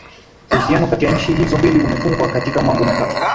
Uhusiano kati ya nchi hizo mbili umefungwa katika mambo matatu